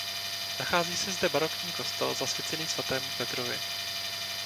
Nachází se zde barokní kostel zasvěcený Svatému Petrovi.